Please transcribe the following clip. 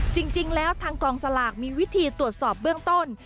จริงแล้วทางกองสลากมีวิธีตรวจสอบเบื้องต้น